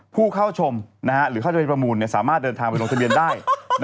ผู้เข้าชมหรือเขาจะไปประมูลสามารถเดินทางไปลงทะเบียนได้